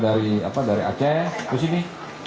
dari aceh kesini